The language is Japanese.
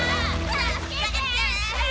助けて！